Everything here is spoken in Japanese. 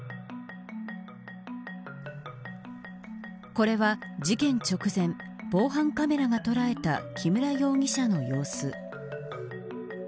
これは、事件直前防犯カメラが捉えた木村容疑者の様子。